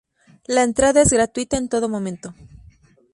La entrada es gratuita en todo momento.